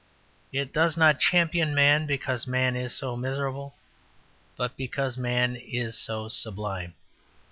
It does not champion man because man is so miserable, but because man is so sublime.